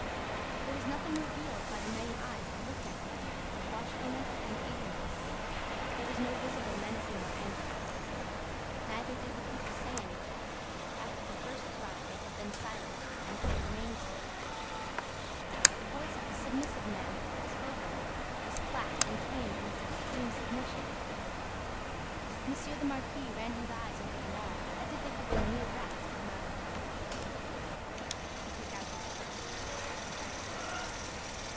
There was nothing revealed by the many eyes that looked at him but watchfulness and eagerness; there was no visible menacing or anger. Neither did the people say anything; after the first cry, they had been silent, and they remained so. The voice of the submissive man who had spoken, was flat and tame in its extreme submission. Monsieur the Marquis ran his eyes over them all, as if they had been mere rats come out of their holes. He took out his purse.